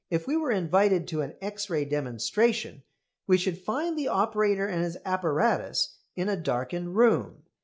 If we were invited to an X ray demonstration we should find the operator and his apparatus in a darkened room.